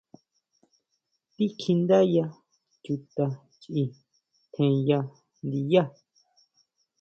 Tíkjiʼndáyá chuta chʼi tjenya ndiyá.